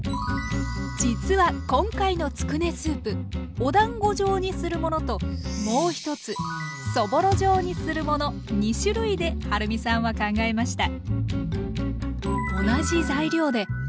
実は今回のつくねスープおだんご状にするものともう一つそぼろ状にするもの２種類ではるみさんは考えました。